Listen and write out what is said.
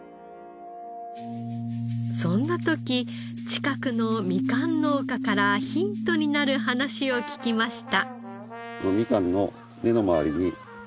そんな時近くのみかん農家からヒントになる話を聞きました。